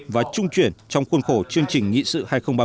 và trung chuyển trong khuôn khổ chương trình nghị sự hai nghìn ba mươi